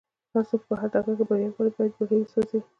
هرڅوک چې په هر ډګر کې بريا غواړي بايد بېړۍ وسوځوي.